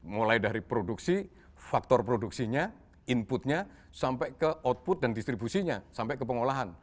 mulai dari produksi faktor produksinya inputnya sampai ke output dan distribusinya sampai ke pengolahan